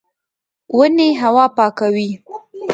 ونې هوا پاکوي